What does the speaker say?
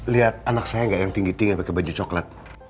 liat anak saya gak yang tinggi tinggi pake baju coklat